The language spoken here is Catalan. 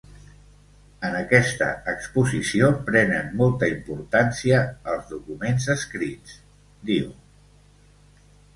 En aquesta exposició prenen molta importància els documents escrits, diu.